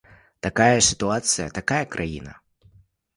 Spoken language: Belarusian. Такая сітуацыя, такая краіна.